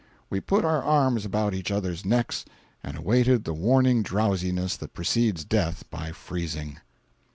We put our arms about each other's necks and awaited the warning drowsiness that precedes death by freezing.